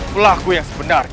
pelaku yang sebenarnya